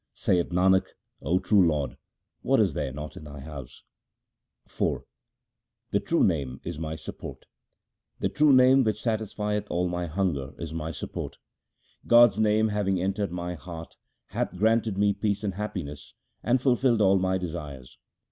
Saith Nanak, O true Lord, what is there not in Thy house ? IV The true Name is my support ; The true Name which satisfieth all my hunger, is my support. God's name having entered my heart hath granted me peace and happiness, and fulfilled all my desires.